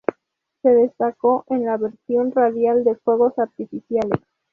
Se destacó en la versión radial de "Fuegos artificiales".